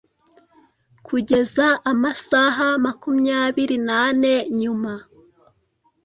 Kugeza amasaha makumyabiri nane nyuma